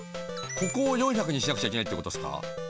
ここを４００にしなくちゃいけないってことすか？